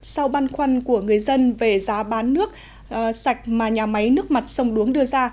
sau băn khoăn của người dân về giá bán nước sạch mà nhà máy nước mặt sông đuống đưa ra